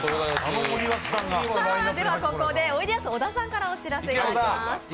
ここでおいでやす小田さんからお知らせがあります。